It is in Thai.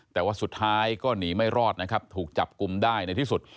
แต่ว่าสุดท้ายก็หนีไม่รอดนะครับถูกจับกลุ่มได้ในที่สุด